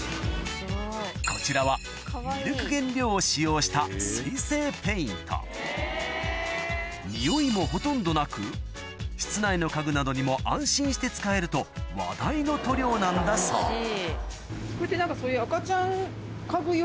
こちらはミルク原料を使用した水性ペイント室内の家具などにも安心して使えると話題の塗料なんだそうこれって何かそういう。